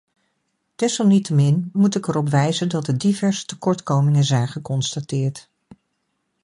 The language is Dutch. Desalniettemin moet ik erop wijzen dat er diverse tekortkomingen zijn geconstateerd.